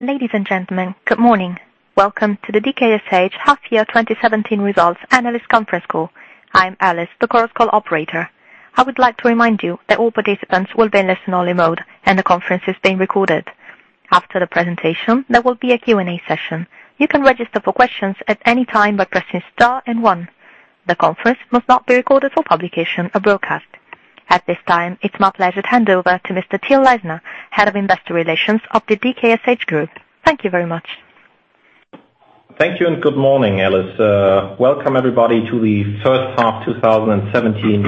Ladies and gentlemen, good morning. Welcome to the DKSH Half Year 2017 Results Analyst Conference Call. I am Alice, the conference call operator. I would like to remind you that all participants will be in listen-only mode, and the conference is being recorded. After the presentation, there will be a Q&A session. You can register for questions at any time by pressing star and one. The conference must not be recorded for publication or broadcast. At this time, it is my pleasure to hand over to Mr. Till Leisner, Head of Investor Relations of the DKSH Group. Thank you very much. Thank you. Good morning, Alice. Welcome everybody to the first half 2017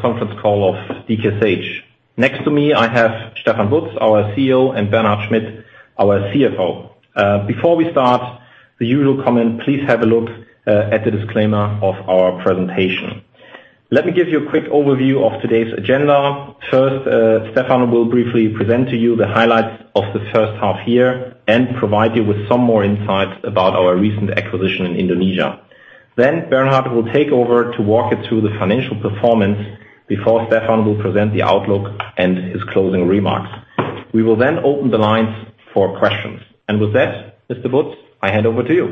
conference call of DKSH. Next to me, I have Stefan Butz, our CEO, and Bernhard Schmitt, our CFO. Before we start, the usual comment, please have a look at the disclaimer of our presentation. Let me give you a quick overview of today's agenda. First, Stefan will briefly present to you the highlights of the first half year and provide you with some more insights about our recent acquisition in Indonesia. Bernhard will take over to walk us through the financial performance before Stefan will present the outlook and his closing remarks. We will open the lines for questions. With that, Mr. Butz, I hand over to you.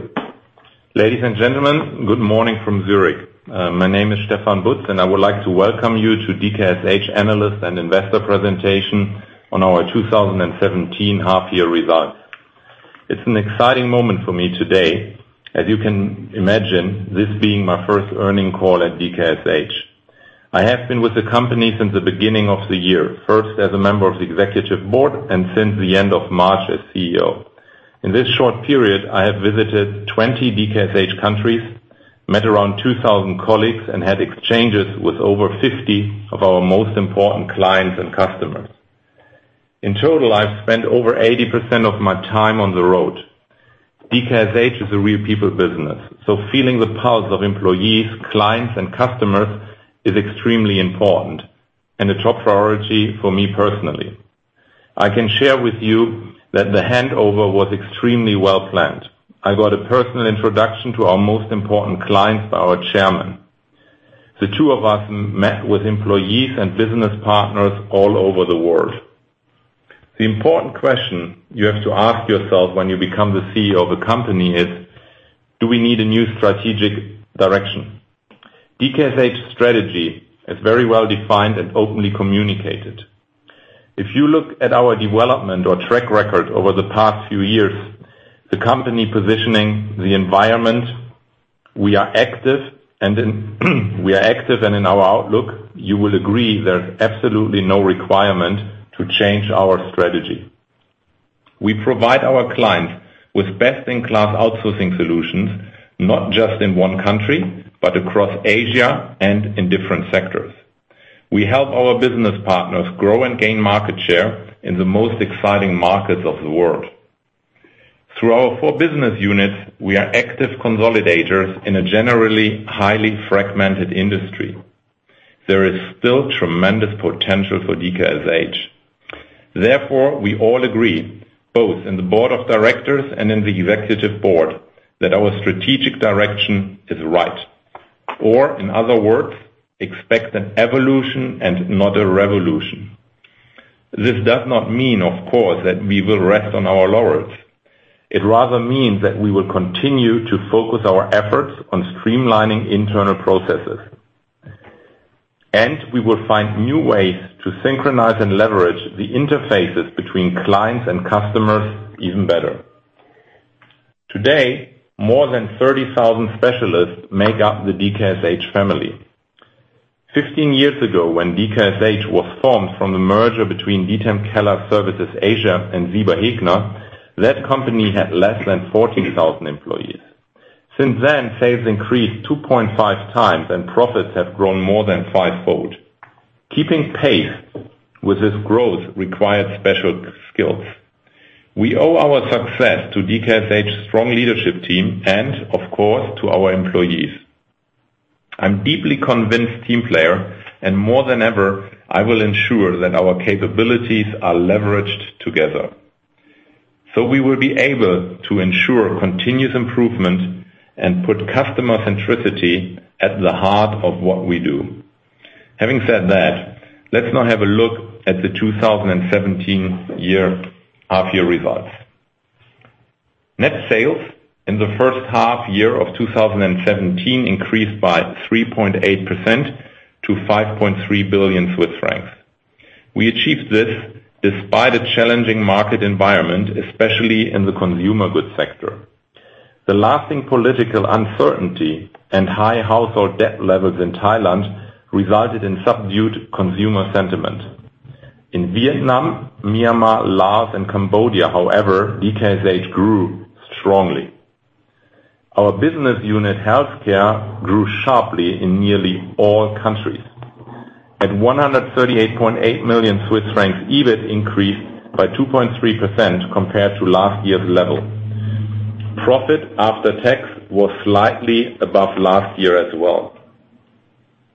Ladies and gentlemen, good morning from Zurich. My name is Stefan Butz, and I would like to welcome you to DKSH Analyst and Investor Presentation on our 2017 half year results. It is an exciting moment for me today, as you can imagine, this being my first earnings call at DKSH. I have been with the company since the beginning of the year, first as a member of the executive board, and since the end of March as CEO. In this short period, I have visited 20 DKSH countries, met around 2,000 colleagues, and had exchanges with over 50 of our most important clients and customers. In total, I have spent over 80% of my time on the road. DKSH is a real people business. Feeling the pulse of employees, clients, and customers is extremely important and a top priority for me personally. I can share with you that the handover was extremely well-planned. I got a personal introduction to our most important clients by our chairman. The two of us met with employees and business partners all over the world. The important question you have to ask yourself when you become the CEO of a company is, do we need a new strategic direction? DKSH strategy is very well-defined and openly communicated. If you look at our development or track record over the past few years, the company positioning the environment we are active in and our outlook, you will agree there is absolutely no requirement to change our strategy. We provide our clients with best-in-class outsourcing solutions, not just in one country, but across Asia and in different sectors. We help our business partners grow and gain market share in the most exciting markets of the world. Through our four business units, we are active consolidators in a generally highly fragmented industry. There is still tremendous potential for DKSH. We all agree, both in the board of directors and in the executive board, that our strategic direction is right. In other words, expect an evolution and not a revolution. This does not mean, of course, that we will rest on our laurels. It rather means that we will continue to focus our efforts on streamlining internal processes. We will find new ways to synchronize and leverage the interfaces between clients and customers even better. Today, more than 30,000 specialists make up the DKSH family. 15 years ago, when DKSH was formed from the merger between Diethelm Keller Services Asia and Gebr. Hegner, that company had less than 14,000 employees. Since then, sales increased 2.5 times, and profits have grown more than 5-fold. Keeping pace with this growth requires special skills. We owe our success to DKSH's strong leadership team and, of course, to our employees. I'm deeply convinced team player. More than ever, I will ensure that our capabilities are leveraged together. We will be able to ensure continuous improvement and put customer centricity at the heart of what we do. Having said that, let's now have a look at the 2017 half year results. Net sales in the first half year of 2017 increased by 3.8% to 5.3 billion Swiss francs. We achieved this despite a challenging market environment, especially in the Consumer Goods sector. The lasting political uncertainty and high household debt levels in Thailand resulted in subdued consumer sentiment. In Vietnam, Myanmar, Laos, and Cambodia, however, DKSH grew strongly. Our business unit, Healthcare, grew sharply in nearly all countries. At 138.8 million Swiss francs, EBIT increased by 2.3% compared to last year's level. Profit after tax was slightly above last year as well.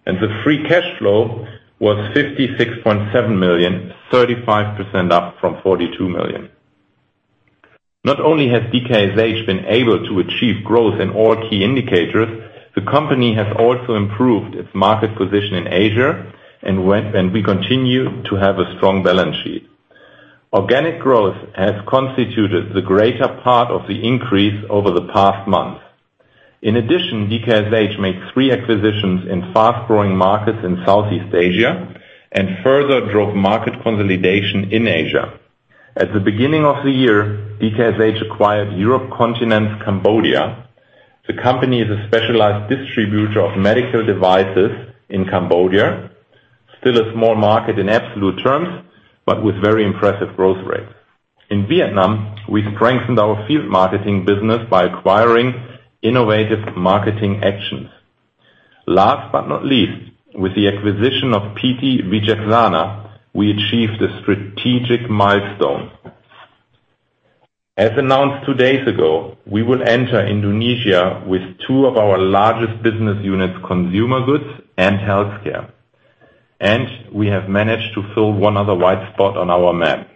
The free cash flow was 56.7 million, 35% up from 42 million. Not only has DKSH been able to achieve growth in all key indicators, the company has also improved its market position in Asia, and we continue to have a strong balance sheet. Organic growth has constituted the greater part of the increase over the past month. In addition, DKSH made 3 acquisitions in fast-growing markets in Southeast Asia and further drove market consolidation in Asia. At the beginning of the year, DKSH acquired Europ Continents Cambodia. The company is a specialized distributor of medical devices in Cambodia. Still a small market in absolute terms, but with very impressive growth rates. In Vietnam, we strengthened our field marketing business by acquiring Innovative Marketing Actions. Last but not least, with the acquisition of PT Wicaksana, we achieved a strategic milestone. As announced 2 days ago, we will enter Indonesia with 2 of our largest business units, Consumer Goods and Healthcare. We have managed to fill 1 other white spot on our map.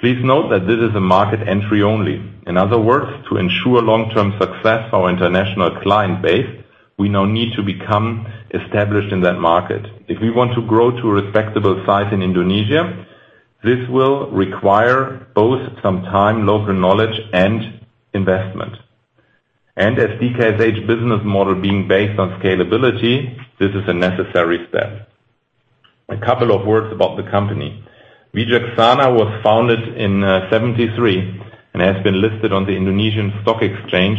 Please note that this is a market entry only. In other words, to ensure long-term success for our international client base, we now need to become established in that market. If we want to grow to a respectable size in Indonesia, this will require both some time, local knowledge, and investment. As DKSH's business model being based on scalability, this is a necessary step. A couple of words about the company. Wicaksana was founded in 1973 and has been listed on the Indonesia Stock Exchange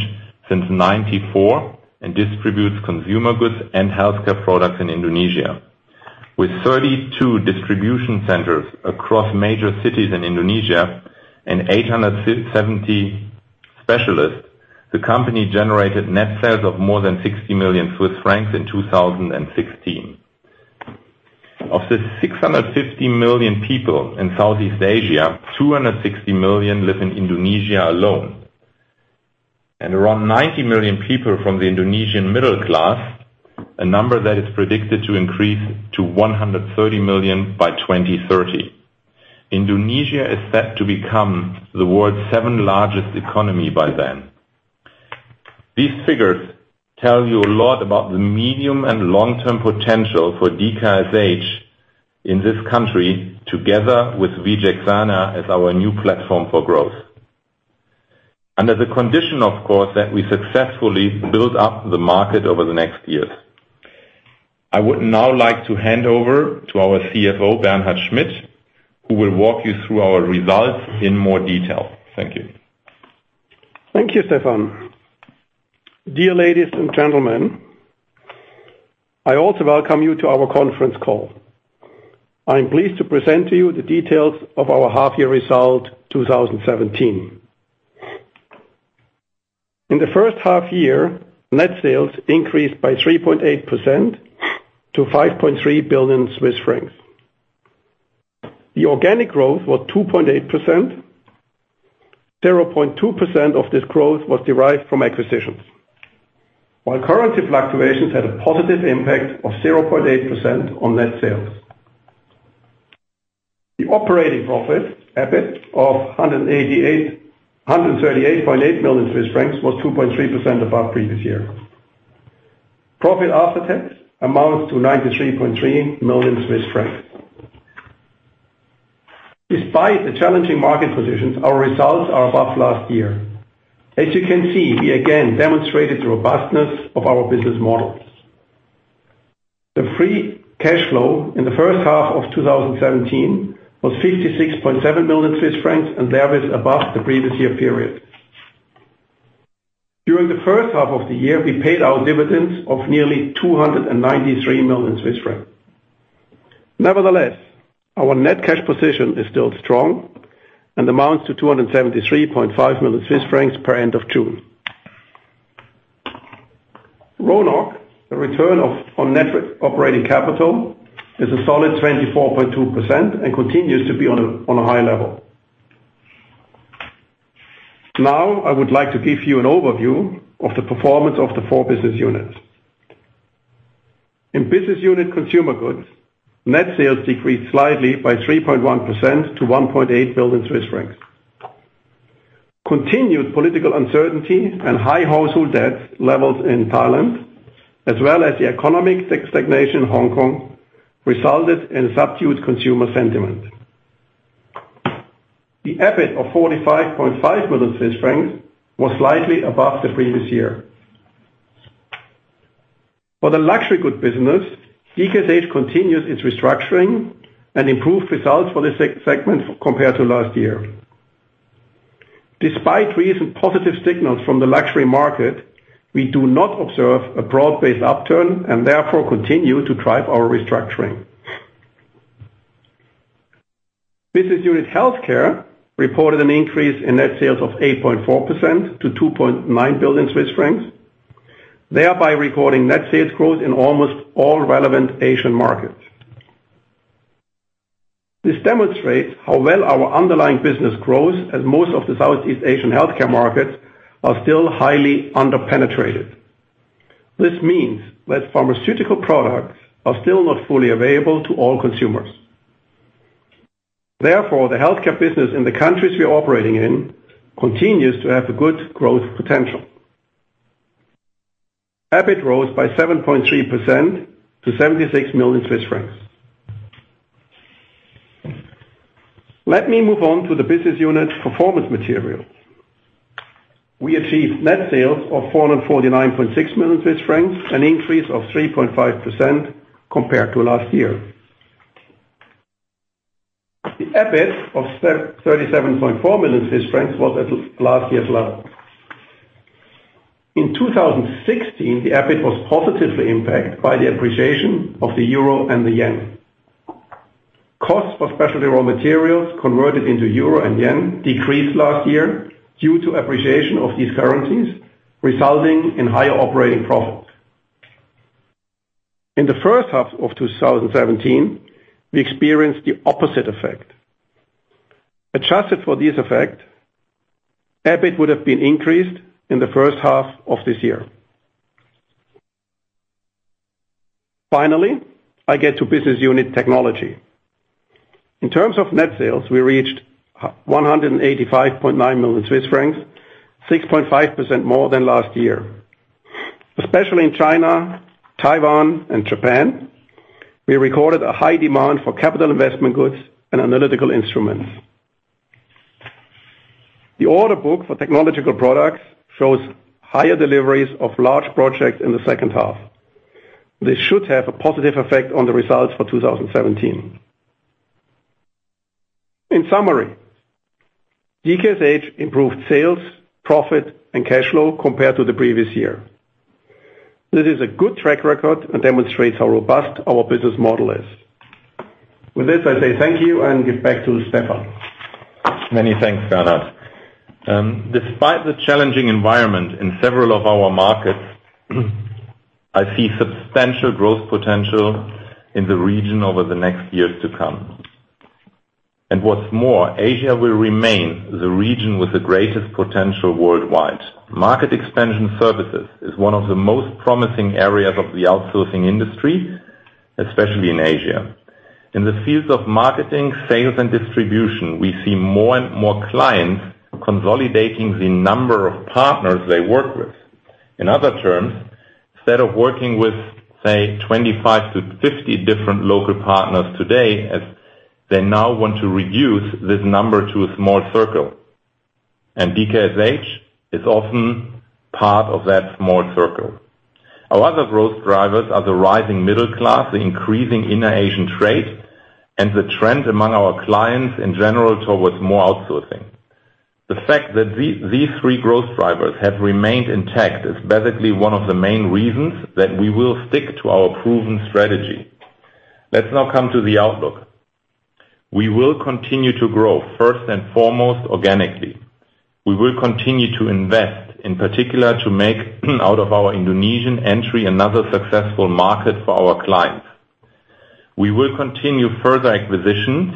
since 1994 and distributes Consumer Goods and Healthcare products in Indonesia. With 32 distribution centers across major cities in Indonesia and 870 specialists, the company generated net sales of more than 60 million Swiss francs in 2016. Of the 650 million people in Southeast Asia, 260 million live in Indonesia alone, and around 90 million people from the Indonesian middle class, a number that is predicted to increase to 130 million by 2030. Indonesia is set to become the world's seventh-largest economy by then. These figures tell you a lot about the medium and long-term potential for DKSH in this country, together with Wicaksana as our new platform for growth. Under the condition, of course, that we successfully build up the market over the next years. I would now like to hand over to our CFO, Bernhard Schmitt, who will walk you through our results in more detail. Thank you. Thank you, Stefan. Dear ladies and gentlemen, I also welcome you to our conference call. I am pleased to present to you the details of our half year result 2017. In the first half year, net sales increased by 3.8% to 5.3 billion Swiss francs. The organic growth was 2.8%. 0.2% of this growth was derived from acquisitions. While currency fluctuations had a positive impact of 0.8% on net sales. The operating profit, EBIT, of 138.8 million Swiss francs was 2.3% above previous year. Profit after tax amounts to 93.3 million Swiss francs. Despite the challenging market conditions, our results are above last year. As you can see, we again demonstrated the robustness of our business models. The free cash flow in the first half of 2017 was 56.7 million Swiss francs, and there is above the previous year period. During the first half of the year, we paid our dividends of nearly 293 million Swiss francs. Nevertheless, our net cash position is still strong and amounts to 273.5 million Swiss francs per end of June. RONOC, the return on net operating capital, is a solid 24.2% and continues to be on a high level. Now, I would like to give you an overview of the performance of the four Business Units. In Business Unit Consumer Goods, net sales decreased slightly by 3.1% to 1.8 billion Swiss francs. Continued political uncertainty and high household debt levels in Thailand, as well as the economic stagnation in Hong Kong, resulted in subdued consumer sentiment. The EBIT of 45.5 million Swiss francs was slightly above the previous year. For the luxury goods business, DKSH continues its restructuring and improved results for this segment compared to last year. Despite recent positive signals from the luxury market, we do not observe a broad-based upturn and therefore continue to drive our restructuring. Business Unit Healthcare reported an increase in net sales of 8.4% to 2.9 billion Swiss francs, thereby recording net sales growth in almost all relevant Asian markets. This demonstrates how well our underlying business grows as most of the Southeast Asian healthcare markets are still highly under-penetrated. This means that pharmaceutical products are still not fully available to all consumers. Therefore, the healthcare business in the countries we are operating in continues to have a good growth potential. EBIT rose by 7.3% to CHF 76 million. Let me move on to the Business Unit Performance Materials. We achieved net sales of 449.6 million Swiss francs, an increase of 3.5% compared to last year. The EBIT of 37.4 million francs was at last year's low. In 2016, the EBIT was positively impacted by the appreciation of the EUR and the JPY. Cost of specialty raw materials converted into EUR and JPY decreased last year due to appreciation of these currencies, resulting in higher operating profits. In the first half of 2017, we experienced the opposite effect. Adjusted for this effect, EBIT would have been increased in the first half of this year. Finally, I get to Business Unit Technology. In terms of net sales, we reached 185.9 million Swiss francs, 6.5% more than last year. Especially in China, Taiwan, and Japan, we recorded a high demand for capital investment goods and analytical instruments. The order book for technological products shows higher deliveries of large projects in the second half. This should have a positive effect on the results for 2017. In summary, DKSH improved sales, profit, and cash flow compared to the previous year. This is a good track record and demonstrates how robust our business model is. With this, I say thank you and give back to Stefan. Many thanks, Bernhard. Despite the challenging environment in several of our markets, I see substantial growth potential in the region over the next years to come. What's more, Asia will remain the region with the greatest potential worldwide. Market Expansion Services is one of the most promising areas of the outsourcing industry, especially in Asia. In the fields of marketing, sales, and distribution, we see more and more clients consolidating the number of partners they work with. In other terms, instead of working with, say, 25 to 50 different local partners today as they now want to reduce this number to a small circle. DKSH is often part of that small circle. Our other growth drivers are the rising middle class, the increasing inner Asian trade, and the trend among our clients in general towards more outsourcing. The fact that these three growth drivers have remained intact is basically one of the main reasons that we will stick to our proven strategy. Let's now come to the outlook. We will continue to grow, first and foremost, organically. We will continue to invest, in particular, to make out of our Indonesian entry another successful market for our clients. We will continue further acquisitions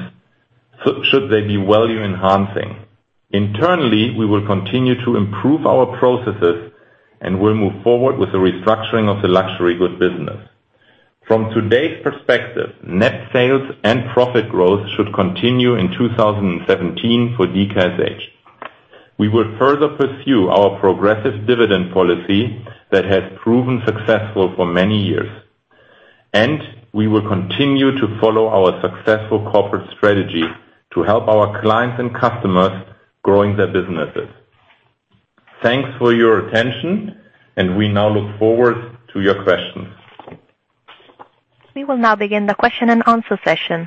should they be value-enhancing. Internally, we will continue to improve our processes and will move forward with the restructuring of the luxury goods business. From today's perspective, net sales and profit growth should continue in 2017 for DKSH. We will further pursue our progressive dividend policy that has proven successful for many years. We will continue to follow our successful corporate strategy to help our clients and customers growing their businesses. Thanks for your attention, and we now look forward to your questions. We will now begin the question and answer session.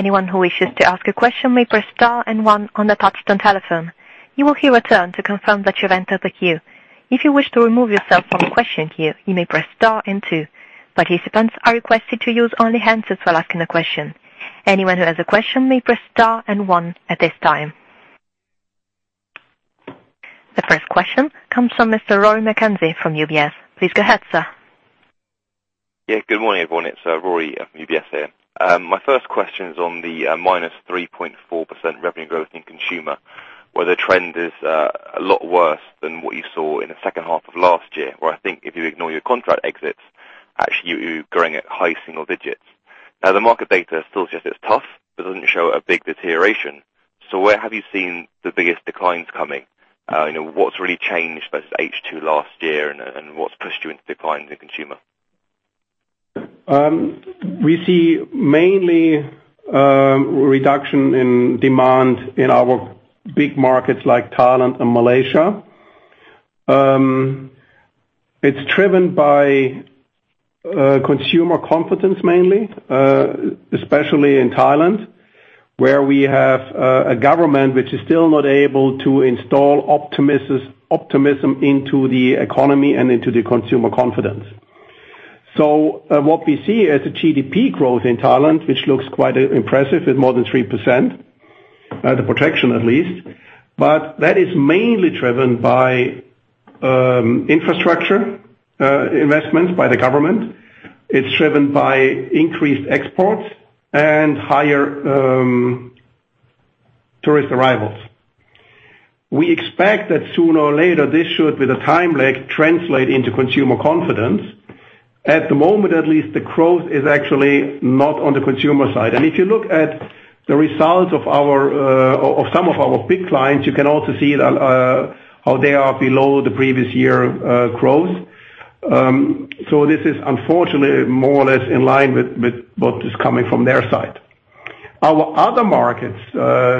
Anyone who wishes to ask a question may press star and one on the touchtone telephone. You will hear a tone to confirm that you've entered the queue. If you wish to remove yourself from the question queue, you may press star and two. Participants are requested to use only hands for asking a question. Anyone who has a question may press star and one at this time. The first question comes from Mr. Rory McKenzie from UBS. Please go ahead, sir. Good morning, everyone. It's Rory from UBS here. My first question is on the minus 3.4% revenue growth in Consumer, where the trend is a lot worse than what you saw in the second half of last year, where I think if you ignore your contract exits, actually you're growing at high single digits. The market data still suggests it's tough, but doesn't show a big deterioration. Where have you seen the biggest declines coming? What's really changed versus H2 last year and what's pushed you into decline to Consumer? We see mainly reduction in demand in our big markets like Thailand and Malaysia. It's driven by consumer confidence mainly, especially in Thailand, where we have a government which is still not able to install optimism into the economy and into the consumer confidence. What we see as a GDP growth in Thailand, which looks quite impressive with more than 3%, the projection at least, but that is mainly driven by infrastructure investments by the government. It's driven by increased exports and higher tourist arrivals. We expect that sooner or later, this should, with a time lag, translate into consumer confidence. At the moment, at least, the growth is actually not on the Consumer side. If you look at the results of some of our big clients, you can also see how they are below the previous year growth. This is unfortunately more or less in line with what is coming from their side. Our other markets,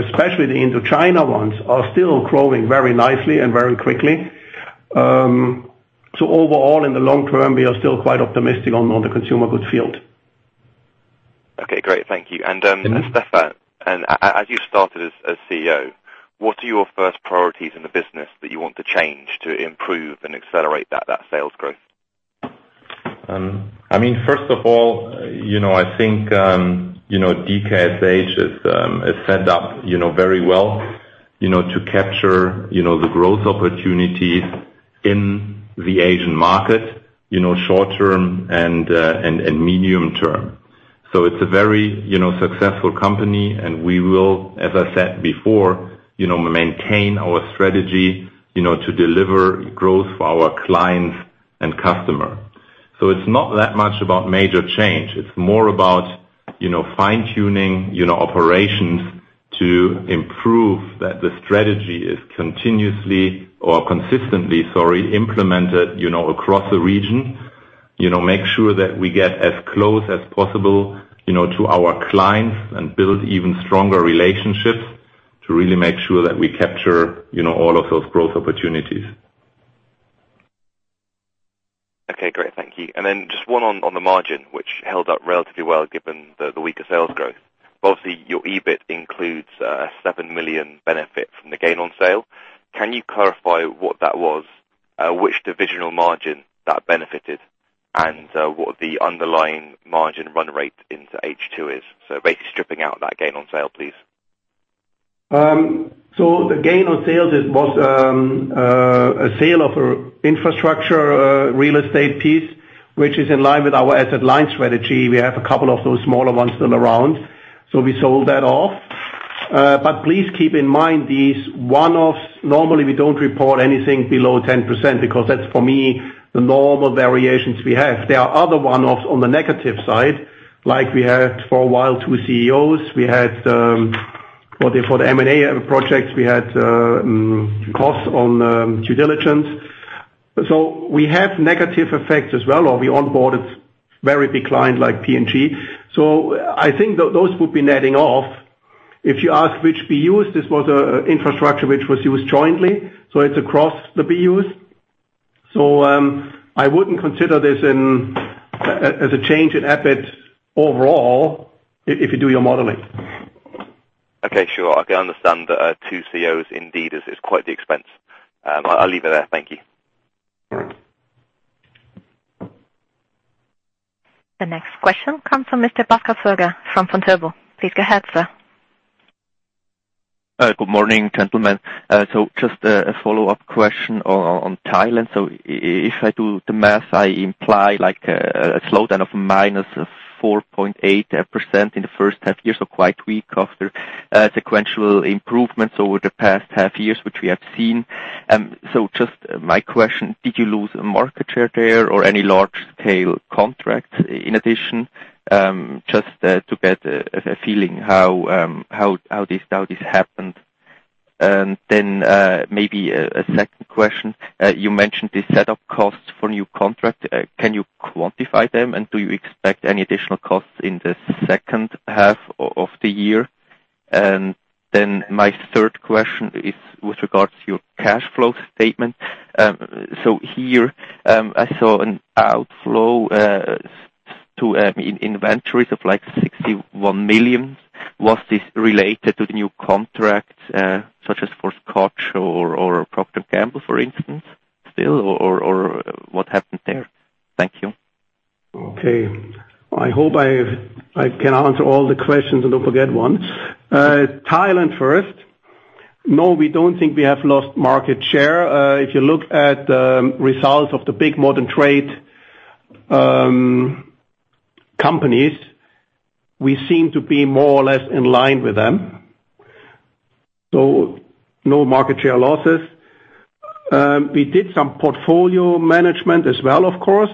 especially the Indochina ones, are still growing very nicely and very quickly. Overall, in the long term, we are still quite optimistic on the Consumer Goods field. Okay, great. Thank you. Stefan, as you started as CEO, what are your first priorities in the business that you want to change to improve and accelerate that sales growth? First of all, I think DKSH is set up very well to capture the growth opportunities in the Asian market, short term and medium term. It's a very successful company, and we will, as I said before, maintain our strategy to deliver growth for our clients and customer. It's not that much about major change. It's more about fine-tuning operations to improve that the strategy is consistently implemented across the region. Make sure that we get as close as possible to our clients and build even stronger relationships to really make sure that we capture all of those growth opportunities. Okay, great. Thank you. Then just one on the margin, which held up relatively well given the weaker sales growth. Obviously, your EBIT includes a 7 million benefit from the gain on sale. Can you clarify what that was, which divisional margin that benefited, and what the underlying margin run rate into H2 is? Basically stripping out that gain on sale, please. The gain on sales, it was a sale of infrastructure real estate piece, which is in line with our asset-light strategy. We have a couple of those smaller ones still around. We sold that off. Please keep in mind, these one-offs, normally, we don't report anything below 10%, because that's, for me, the normal variations we have. There are other one-offs on the negative side, like we had for a while, two CEOs. We had, for the M&A projects, we had costs on due diligence. We have negative effects as well, or we onboarded very big client like P&G. I think those would be netting off. If you ask which BUs, this was a infrastructure which was used jointly, it's across the BUs. I wouldn't consider this as a change in EBIT overall if you do your modeling. Okay, sure. I can understand that two CEOs indeed is quite the expense. I'll leave it there. Thank you. The next question comes from Mr. Pascal Burger from Vontobel. Please go ahead, sir. Good morning, gentlemen. Just a follow-up question on Thailand. If I do the math, I imply a slowdown of -4.8% in the first half year, quite weak after sequential improvements over the past half years, which we have seen. Just my question, did you lose market share there or any large tail contracts in addition? Just to get a feeling how this happened. Maybe a second question. You mentioned the setup costs for new contract. Can you quantify them and do you expect any additional costs in the second half of the year? My third question is with regards to your cash flow statement. Here, I saw an outflow to inventories of 61 million. Was this related to the new contracts, such as for Scotch or Procter & Gamble, for instance, still? What happened there? Thank you. Okay. I hope I can answer all the questions and don't forget one. Thailand first. No, we don't think we have lost market share. If you look at the results of the big modern trade companies, we seem to be more or less in line with them. No market share losses. We did some portfolio management as well, of course,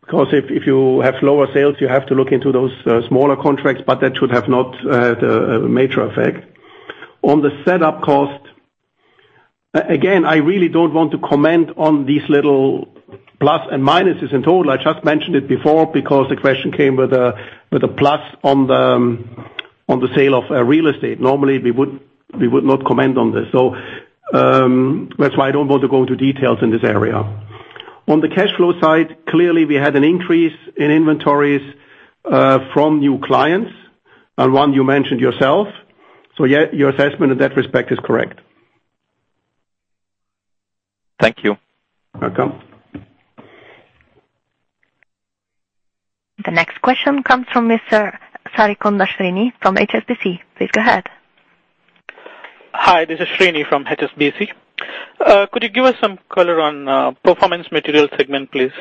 because if you have lower sales, you have to look into those smaller contracts, but that should have not had a major effect. On the setup cost, again, I really don't want to comment on these little plus and minuses in total. I just mentioned it before because the question came with a plus on the sale of real estate. Normally, we would not comment on this. That's why I don't want to go into details in this area. On the cash flow side, clearly, we had an increase in inventories from new clients, and one you mentioned yourself. Yeah, your assessment in that respect is correct. Thank you. Welcome. The next question comes from Mr. Sarikonda Srini from HSBC. Please go ahead. Hi, this is Srini from HSBC. Could you give us some color on Performance Materials segment, please?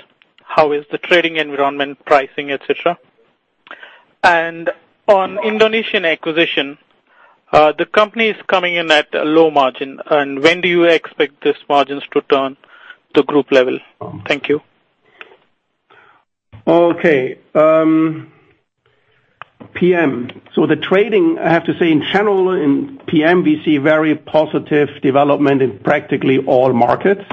How is the trading environment, pricing, et cetera? On Indonesian acquisition, the company is coming in at a low margin. When do you expect these margins to turn to group level? Thank you. Okay. PM. The trading, I have to say in general in PM, we see very positive development in practically all markets.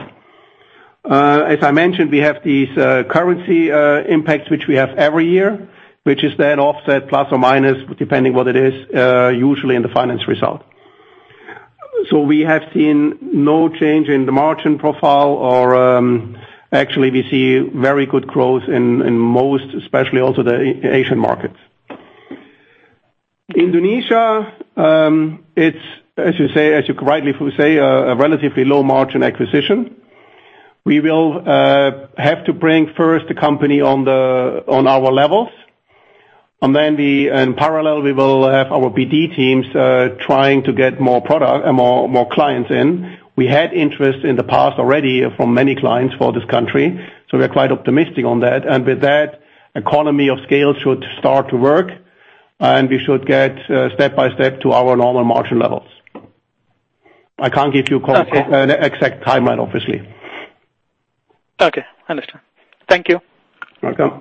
As I mentioned, we have these currency impacts, which we have every year, which is then offset plus or minus, depending what it is, usually in the finance result. We have seen no change in the margin profile or actually we see very good growth in most, especially also the Asian markets. Indonesia, it's as you rightly say, a relatively low margin acquisition. We will have to bring first the company on our levels, and then in parallel, we will have our BD teams trying to get more clients in. We had interest in the past already from many clients for this country, so we're quite optimistic on that. With that, economy of scale should start to work, and we should get step by step to our normal margin levels. I can't give you. Okay An exact timeline, obviously. Okay, I understand. Thank you. Welcome.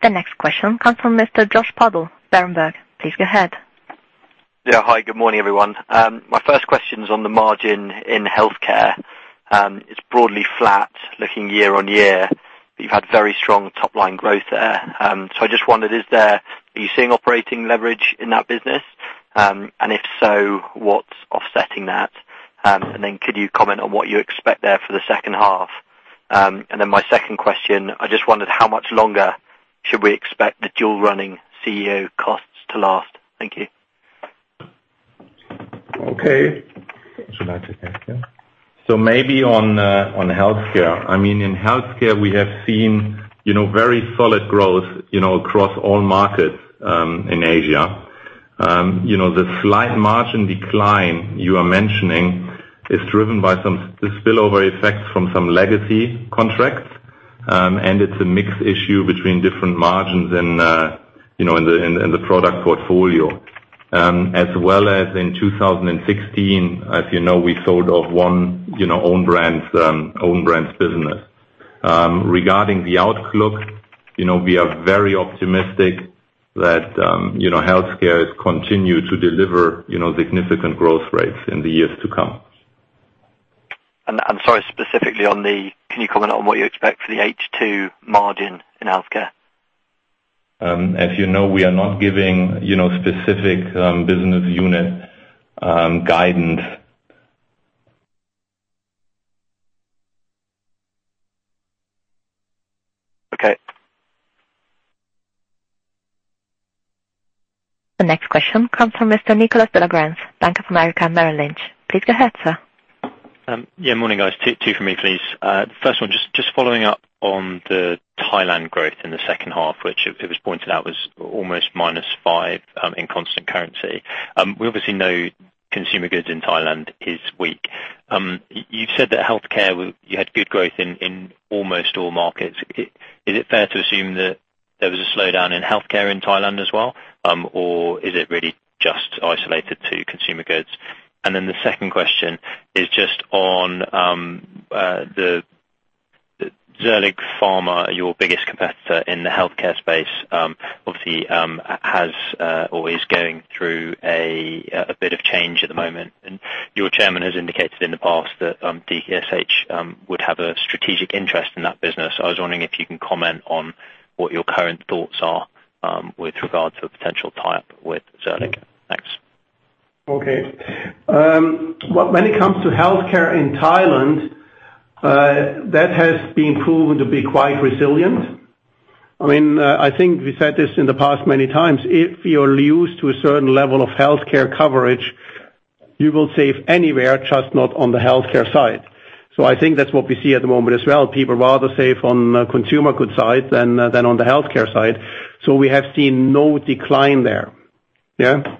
The next question comes from Mr. Josh Puddle, Berenberg. Please go ahead. Yeah. Hi, good morning, everyone. My first question's on the margin in Healthcare. It's broadly flat looking year-on-year, but you've had very strong top-line growth there. I just wondered, are you seeing operating leverage in that business? If so, what's offsetting that? Could you comment on what you expect there for the second half? My second question, I just wondered how much longer should we expect the dual running CEO costs to last? Thank you. Okay. Should I take that, yeah? Maybe on Healthcare. In Healthcare we have seen very solid growth across all markets in Asia. The slight margin decline you are mentioning is driven by the spillover effects from some legacy contracts. It's a mixed issue between different margins and the product portfolio. As well as in 2016, as you know, we sold off one own brand's business. Regarding the outlook, we are very optimistic that Healthcare has continued to deliver significant growth rates in the years to come. I'm sorry, specifically, can you comment on what you expect for the H2 margin in Healthcare? As you know, we are not giving specific business unit guidance. Okay. The next question comes from Mr. Nicolas Delagrange, Bank of America Merrill Lynch. Please go ahead, sir. Morning, guys. Two from me, please. First one, just following up on the Thailand growth in the second half, which it was pointed out was almost minus five in constant currency. We obviously know Consumer Goods in Thailand is weak. You've said that Healthcare, you had good growth in almost all markets. Is it fair to assume that there was a slowdown in Healthcare in Thailand as well? Or is it really just isolated to Consumer Goods? The second question is just on Zuellig Pharma, your biggest competitor in the Healthcare space, obviously has or is going through a bit of change at the moment, and your chairman has indicated in the past that DKSH would have a strategic interest in that business. I was wondering if you can comment on what your current thoughts are with regards to a potential tie-up with Zuellig. Thanks. Okay. When it comes to Healthcare in Thailand, that has been proven to be quite resilient. I think we said this in the past many times. If you're used to a certain level of Healthcare coverage, you will save anywhere, just not on the Healthcare side. I think that's what we see at the moment as well. People rather save on Consumer Goods side than on the Healthcare side. We have seen no decline there. Okay.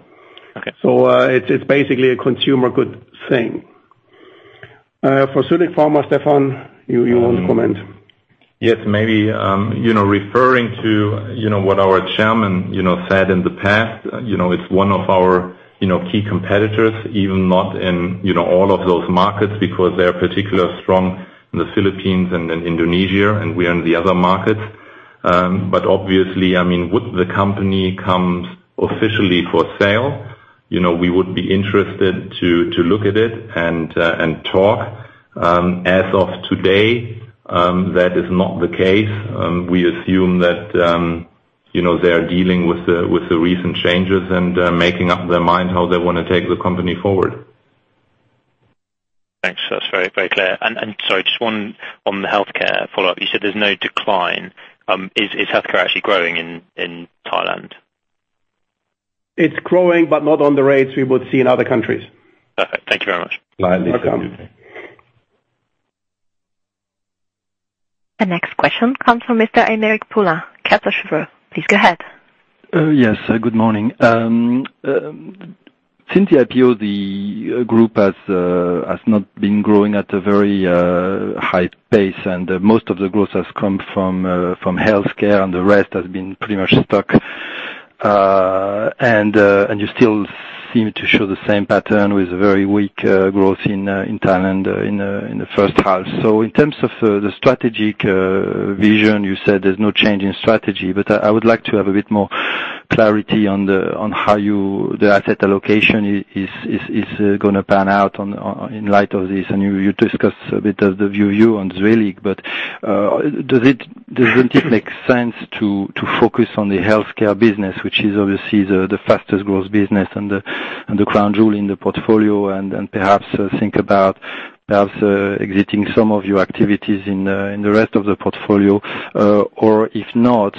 It's basically a Consumer Goods thing. For Zuellig Pharma, Stefan, you want to comment? Yes, maybe, referring to what our chairman said in the past, it's one of our key competitors, even not in all of those markets because they're particularly strong in the Philippines and in Indonesia, and we're in the other markets. Obviously, would the company comes officially for sale, we would be interested to look at it and talk. As of today, that is not the case. We assume that they are dealing with the recent changes and making up their mind how they want to take the company forward. Thanks. That's very clear. Sorry, just one on the Healthcare follow-up. You said there's no decline. Is Healthcare actually growing in Thailand? It's growing, but not on the rates we would see in other countries. Perfect. Thank you very much. Lightly. Welcome. The next question comes from Mr. Aymeric Poulain, Kepler Cheuvreux. Please go ahead. Yes. Good morning. Since the IPO, the group has not been growing at a very high pace, and most of the growth has come from Healthcare, and the rest has been pretty much stuck. You still seem to show the same pattern with very weak growth in Thailand in the first half. In terms of the strategic vision, you said there's no change in strategy, but I would like to have a bit more clarity on how the asset allocation is going to pan out in light of this. You discussed a bit of the view on Zuellig, but doesn't it make sense to focus on the Healthcare business, which is obviously the fastest growth business and the crown jewel in the portfolio, and perhaps think about exiting some of your activities in the rest of the portfolio? If not,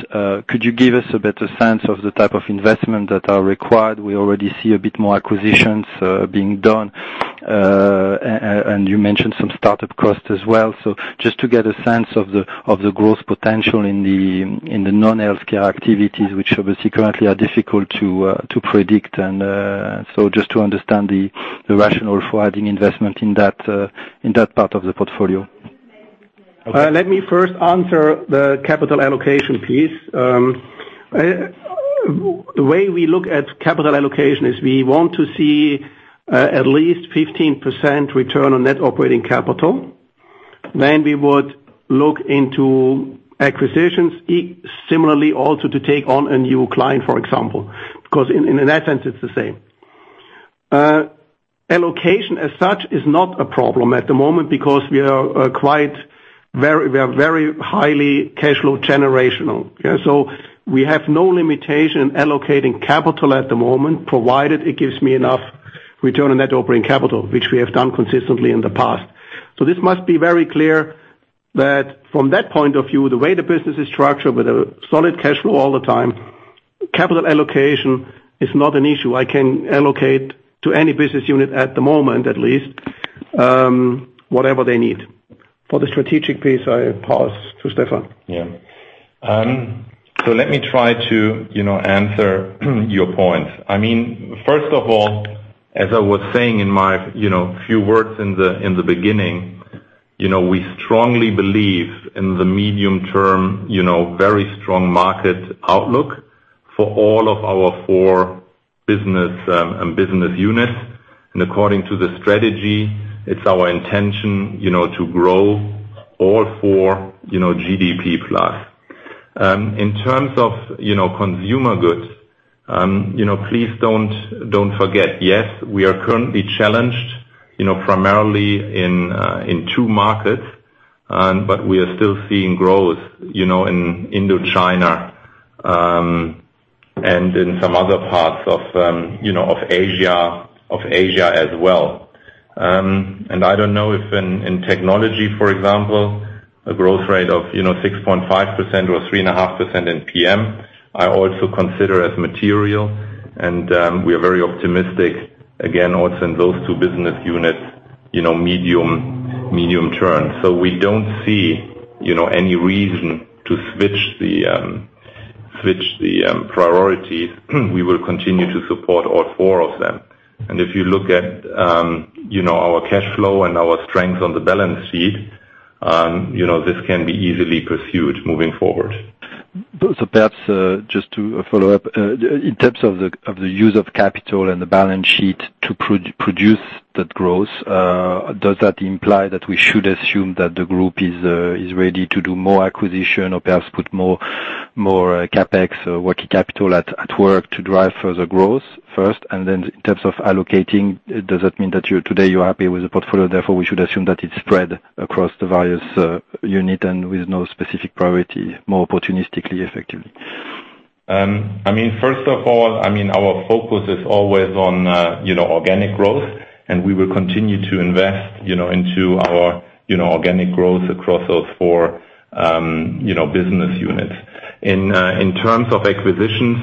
could you give us a better sense of the type of investment that are required? We already see a bit more acquisitions being done. You mentioned some startup costs as well. Just to get a sense of the growth potential in the non-Healthcare activities, which obviously currently are difficult to predict. Just to understand the rationale for adding investment in that part of the portfolio. Let me first answer the capital allocation piece. The way we look at capital allocation is we want to see at least 15% return on net operating capital. We would look into acquisitions similarly, also to take on a new client, for example, because in that sense, it's the same. Allocation as such is not a problem at the moment because we are very highly cash flow generational. We have no limitation allocating capital at the moment, provided it gives me enough return on net operating capital, which we have done consistently in the past. This must be very clear that from that point of view, the way the business is structured with a solid cash flow all the time, capital allocation is not an issue. I can allocate to any Business Unit at the moment at least, whatever they need. For the strategic piece, I pass to Stefan. Let me try to answer your point. First of all, as I was saying in my few words in the beginning, we strongly believe in the medium-term, very strong market outlook for all of our four business units. According to the strategy, it's our intention to grow all four GDP plus. In terms of Consumer Goods, please don't forget, yes, we are currently challenged primarily in two markets, but we are still seeing growth in Indochina and in some other parts of Asia as well. I don't know if in Technology, for example, a growth rate of 6.5% or 3.5% in PM, I also consider as material. We are very optimistic, again, also in those two business units, medium-term. We don't see any reason to switch the priorities. We will continue to support all four of them. If you look at our cash flow and our strength on the balance sheet, this can be easily pursued moving forward. Perhaps, just to follow up, in terms of the use of capital and the balance sheet to produce that growth, does that imply that we should assume that the group is ready to do more acquisition or perhaps put more CapEx working capital at work to drive further growth first? Then in terms of allocating, does that mean that today you're happy with the portfolio, therefore we should assume that it's spread across the various unit and with no specific priority, more opportunistically effectively? First of all, our focus is always on organic growth, and we will continue to invest into our organic growth across those four business units. In terms of acquisitions,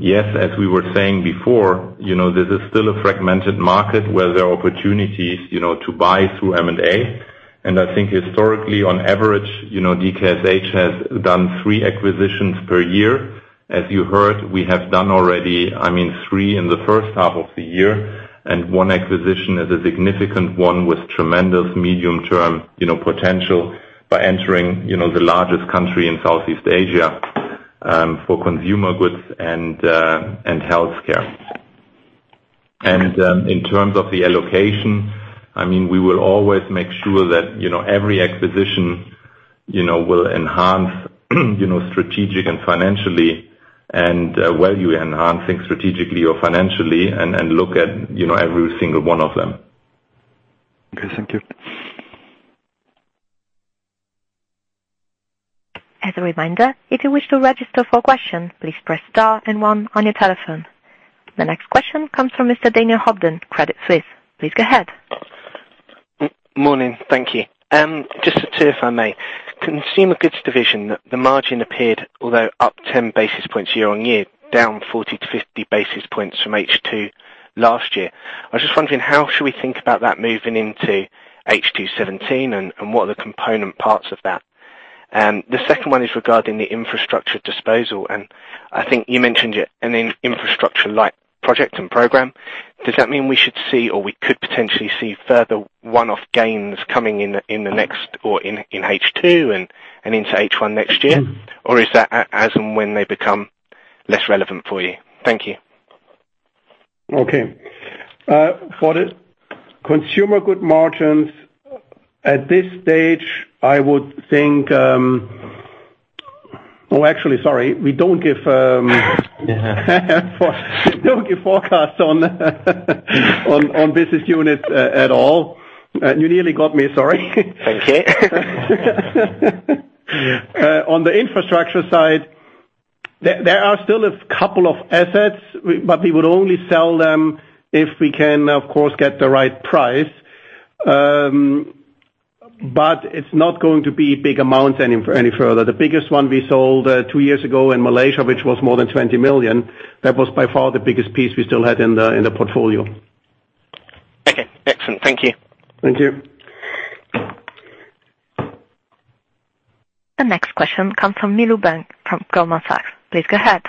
yes, as we were saying before, this is still a fragmented market where there are opportunities to buy through M&A. I think historically, on average, DKSH has done three acquisitions per year. As you heard, we have done already three in the first half of the year, and one acquisition is a significant one with tremendous medium-term potential by entering the largest country in Southeast Asia for Consumer Goods and Healthcare. In terms of the allocation, we will always make sure that every acquisition will enhance strategic and financially and value enhancing strategically or financially and look at every single one of them. Okay. Thank you. As a reminder, if you wish to register for a question, please press star and one on your telephone. The next question comes from Mr. Daniel Hodel, Credit Suisse. Please go ahead. Morning. Thank you. Just two, if I may. Consumer Goods division, the margin appeared, although up 10 basis points year-on-year, down 40-50 basis points from H2 last year. I was just wondering how should we think about that moving into H2 2017 and what are the component parts of that? The second one is regarding the infrastructure disposal, and I think you mentioned an infrastructure-like project and program. Does that mean we should see, or we could potentially see further one-off gains coming in the next or in H2 and into H1 next year? Is that as and when they become less relevant for you? Thank you. Okay. For the Consumer Goods margins, at this stage, actually, sorry, we don't give forecasts on business units at all. You nearly got me, sorry. Thank you. On the infrastructure side, there are still a couple of assets, we would only sell them if we can, of course, get the right price. It's not going to be big amounts any further. The biggest one we sold two years ago in Malaysia, which was more than 20 million. That was by far the biggest piece we still had in the portfolio. Okay. Excellent. Thank you. Thank you. The next question comes from Milou Berg from Goldman Sachs. Please go ahead.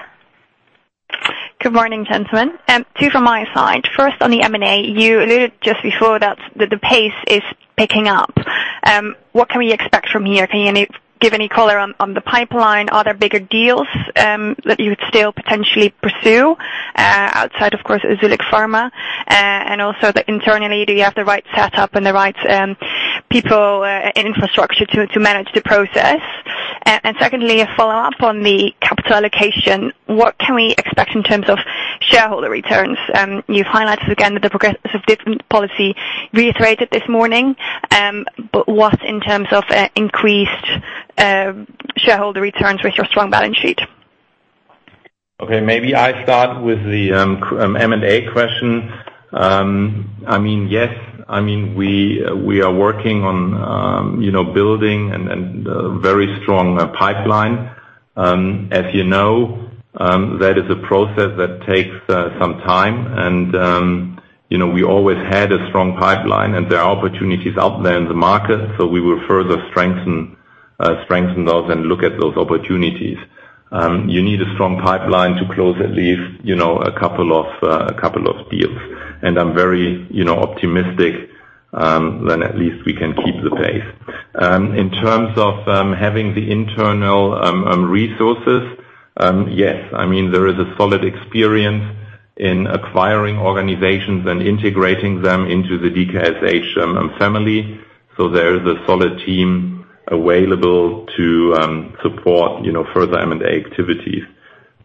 Good morning, gentlemen. Two from my side. First on the M&A, you alluded just before that the pace is picking up. What can we expect from here? Can you give any color on the pipeline? Are there bigger deals that you would still potentially pursue, outside, of course, Zuellig Pharma? Also internally, do you have the right setup and the right people, infrastructure to manage the process? Secondly, a follow-up on the capital allocation. What can we expect in terms of shareholder returns? You've highlighted again the progressive dividend policy reiterated this morning. What in terms of increased shareholder returns with your strong balance sheet? Okay, maybe I start with the M&A question. Yes, we are working on building a very strong pipeline. As you know, that is a process that takes some time. We always had a strong pipeline. There are opportunities out there in the market. We will further strengthen those and look at those opportunities. You need a strong pipeline to close at least a couple of deals. I'm very optimistic, at least we can keep the pace. In terms of having the internal resources. Yes. There is a solid experience in acquiring organizations and integrating them into the DKSH family. There is a solid team available to support further M&A activities.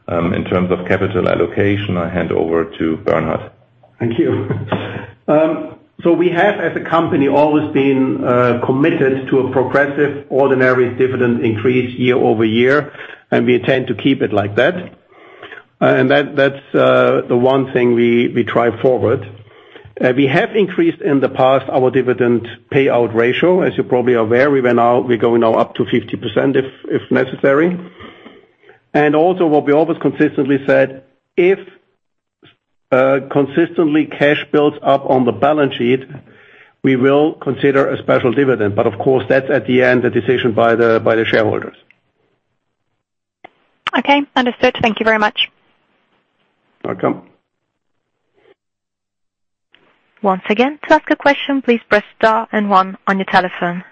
In terms of capital allocation, I hand over to Bernhard. Thank you. We have, as a company, always been committed to a progressive ordinary dividend increase year-over-year, and we intend to keep it like that. That's the one thing we drive forward. We have increased in the past our dividend payout ratio. As you probably are aware, we're going now up to 50% if necessary. Also what we always consistently said, if consistently cash builds up on the balance sheet, we will consider a special dividend. Of course, that's at the end, the decision by the shareholders. Okay, understood. Thank you very much. Welcome. Once again, to ask a question, please press star and one on your telephone.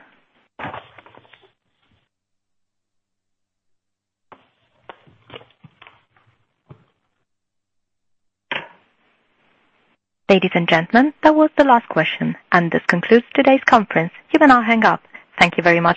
Ladies and gentlemen, that was the last question. This concludes today's conference. You can now hang up. Thank you very much for your participation.